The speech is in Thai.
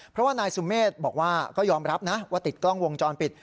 เพราะว่านายสุเมฆบอกว่าก็ยอมรับนะว่าติดกล้องวงจรปิด